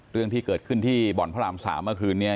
เรื่องที่เกิดขึ้นที่บ่อนพระราม๓เมื่อคืนนี้